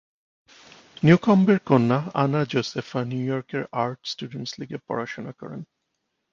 নিউকমবের কন্যা Anna Josepha New ইয়র্কের Art Students লীগে পড়াশুনা করেন।